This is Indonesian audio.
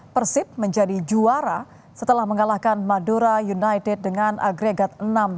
persib menjadi juara setelah mengalahkan madura united dengan agregat enam